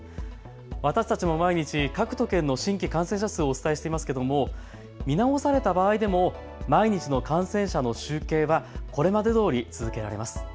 私たちも毎日、各都県の新規感染者数をお伝えしていますけども見直された場合でも毎日の感染者の集計はこれまでどおり続けられます。